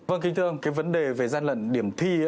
vâng kính thưa ông cái vấn đề về gian lận điểm thi